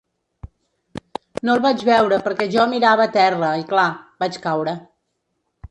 No el vaig veure perquè jo mirava a terra i clar, vaig caure.